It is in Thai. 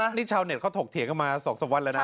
นี่ชาวเน็ตเขาถกเถียงกันมา๒๓วันแล้วนะ